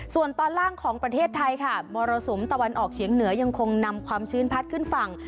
ส่วนตอนล่างของประเทศไทยค่ะมรสุมตะวันออกเฉียงเหนือยังคงนำความชื้นพัดขึ้นฝั่ง